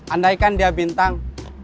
andaikan dia bintang